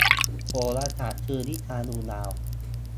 โหราศาสตร์คือวิชาดูดาว